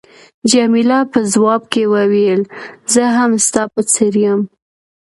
جميله په ځواب کې وویل، زه هم ستا په څېر یم.